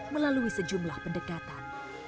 melalui sejumlah pendekatan